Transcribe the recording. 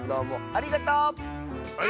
ありがとう！